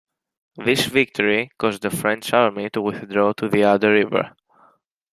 This victory caused the French army to withdraw to the Adda River.